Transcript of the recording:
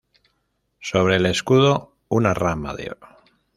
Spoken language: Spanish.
Sobre el escudo, una rama de oro.